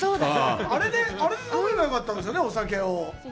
あれで飲めばよかったんですよね、お酒を。